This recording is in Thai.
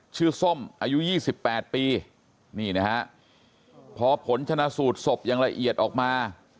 ชื่อส้มอายุยี่สิบแปดปีพอผลจรรย์สูตรสมบอย่างละเอียดออกมา